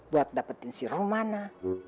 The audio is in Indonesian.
buat dapetin si romana